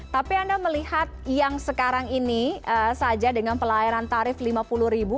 kalau kita lihat yang sekarang ini saja dengan pelahiran tarif lima puluh ribu